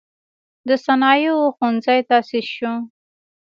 د صنایعو ښوونځی تأسیس شو.